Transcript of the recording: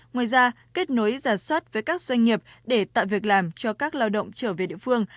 ngoài ra kết nối giả soát với các doanh nghiệp để tạo việc làm cho các lao động trở về địa phương